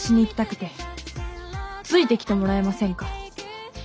ついてきてもらえませんか？